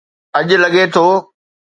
اڄ لڳي ٿو